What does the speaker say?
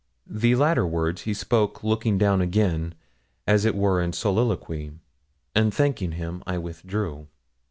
The latter words he spoke looking down again, as it were in soliloquy; and thanking him, I withdrew.